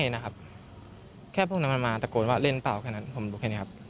ใช่นะครับแค่พวกนั้นมันมาตะโกนว่าเล่นเปล่าแค่นั้นผมบอกแค่นี้ครับ